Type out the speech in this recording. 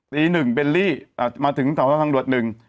ตีหนึ่งเบลลี่อ่ามาถึงทางดวชหนึ่ง